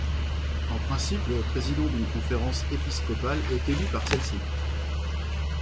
En principe, le président d'une conférence épiscopale est élue par celle-ci.